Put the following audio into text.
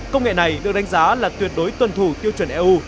công nghệ này được đánh giá là tuyệt đối tuân thủ tiêu chuẩn eu